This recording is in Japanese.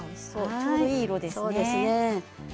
ちょうどいい色ですね。